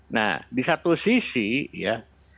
nah di satu sisi ya